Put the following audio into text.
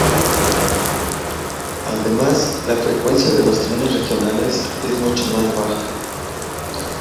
Además, la frecuencia de los trenes regionales es mucho más baja.